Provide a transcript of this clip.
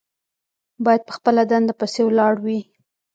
باید په خپله دنده پسې ولاړ وي.